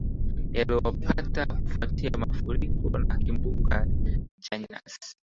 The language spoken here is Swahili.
yaliowapata kufuatia mafuriko na kimbunga cha yansi